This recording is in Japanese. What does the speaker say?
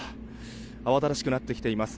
あわただしくなってきています。